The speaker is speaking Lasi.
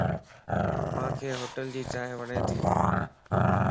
مانک ھوٽل جي چائين وڻ تي